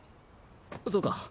そうか。